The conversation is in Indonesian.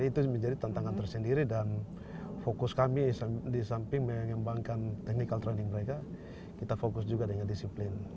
jadi itu menjadi tantangan tersendiri dan fokus kami disamping mengembangkan technical training mereka kita fokus juga dengan disiplin